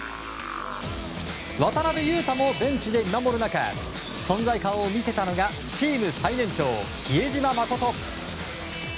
渡邊雄太もベンチで見守る中存在感を見せたのがチーム最年長・比江島慎。